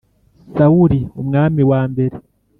Sawuli umwami wa mbere